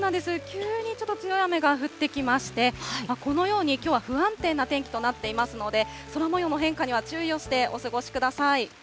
急にちょっと強い雨が降ってきまして、このように、きょうは不安定な天気となっていますので、空もようの変化には注意をしてお過ごしください。